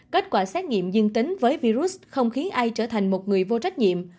kết quả xét nghiệm dương tính với virus không khí ai trở thành một người vô trách nhiệm